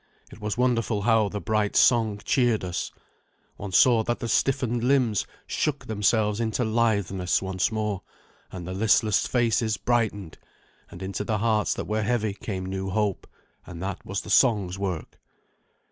It was wonderful how the bright song cheered us. One saw that the stiffened limbs shook themselves into litheness once more, and the listless faces brightened, and into the hearts that were heavy came new hope, and that was the song's work.